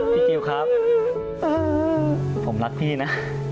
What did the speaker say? จิลครับผมรักพี่นะ